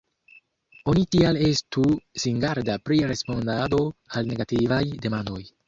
Oni tial estu singarda pri respondado al negativaj demandoj.